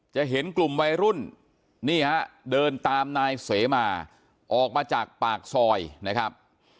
จะเห็นกลุ่มวัยรุ่นนี่ฮะเดินตามนายเสมาออกมาจากปากซอยนะครับ